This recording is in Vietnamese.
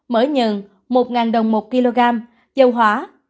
mỡ nhờn một đồng một kg dầu hỏa